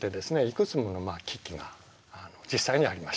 いくつもの危機が実際にありました。